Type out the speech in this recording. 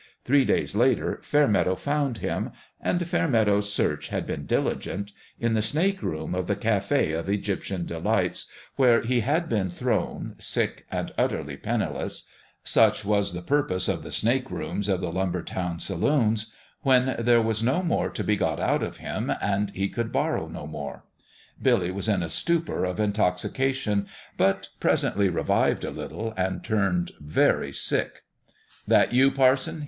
Three days later Fairmeadow found him and Fairmeadow's search had been diligent in the snake room of the Cafe of Egyptian Delights, where he had been thrown, sick and utterly penniless such was the purpose of the snake rooms of the lumber town saloons when there was no more to be got out of him and he could borrow no more. Billy was in a stupor of intoxication, but presently revived a little, and turned very sick. " That you, parson?"